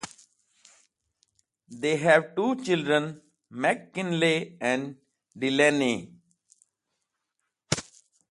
They have two children, McKinley and Delaney.